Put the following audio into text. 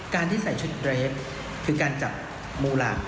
ที่ใส่ชุดเรฟคือการจับมูลา